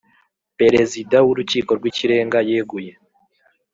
Perezida w Urukiko rw Ikirenga yeguye